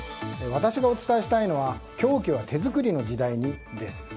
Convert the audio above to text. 私がお伝えしたいのは凶器は手作りの時代にです。